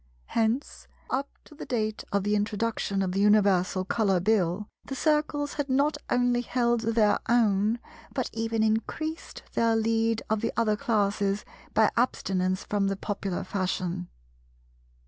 Hence, up to the date of the introduction of the Universal Colour Bill, the Circles had not only held their own, but even increased their lead of the other classes by abstinence from the popular fashion.